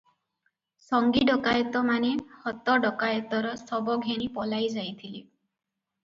ସଙ୍ଗୀ ଡକାଏତମାନେ ହତ ଡକାଏତର ଶବ ଘେନି ପଳାଇ ଯାଇଥିଲେ ।